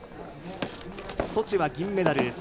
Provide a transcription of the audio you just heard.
ソチは銀メダル。